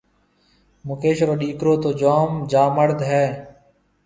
مڪيش رو ڏِيڪرو تو جوم جامڙد هيَ۔